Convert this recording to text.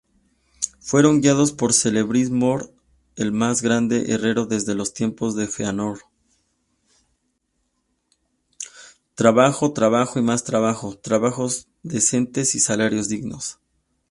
Trabajo, trabajo y más trabajo: trabajos decentes y salarios dignos.